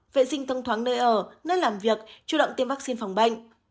vệ sinh thông thoáng nơi ở nơi làm việc chủ động tiêm vắc xin phòng bệnh